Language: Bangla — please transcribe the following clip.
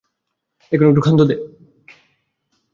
এখন একটু ক্ষান্ত দে।